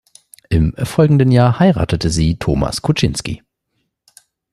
Im folgenden Jahr heiratete sie Thomas Kuczynski.